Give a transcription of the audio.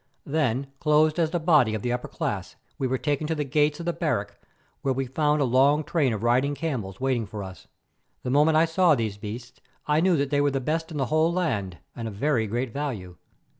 Then, clothed as Abati of the upper class, we were taken to the gates of the barrack, where we found a long train of riding camels waiting for us. The moment that I saw these beasts I knew that they were the best in the whole land, and of very great value.